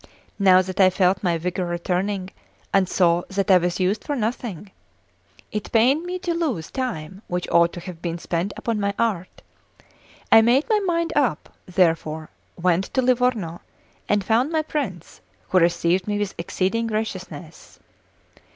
Now that I felt my vigour returning, and saw that I was used for nothing, it pained me to lose time which ought to have been spent upon my art. I made my mind up, therefore, went to Livorno, and found my prince, who received me with exceeding graciousness.